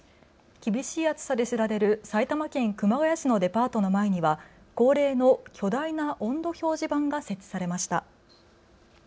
厳しい暑さで知られる埼玉県熊谷市のデパートの前には恒例の巨大な温度表示板が設置されました。